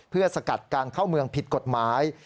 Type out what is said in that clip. เพื่อสกัดการเข้าเมืองผิดกฎหมาย